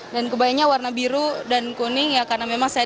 dan kebayanya warna biru dan kuning ya karena memang sederhana